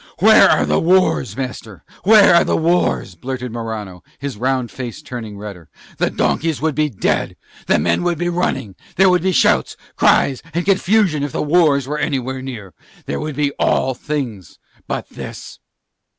"Where are the wars, master? Where are the wars?" blurted Morano, his round face turning redder. "The donkeys would be dead, the men would be running, there would be shouts, cries, and confusion, if the wars were anywhere near. There would be all things but this."